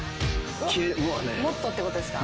もっとってことですか？